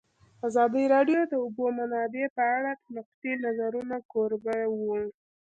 ازادي راډیو د د اوبو منابع په اړه د نقدي نظرونو کوربه وه.